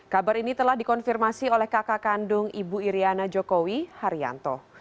kabar ini telah dikonfirmasi oleh kakak kandung ibu iryana jokowi haryanto